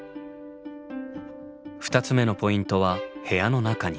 ２つ目のポイントは部屋の中に。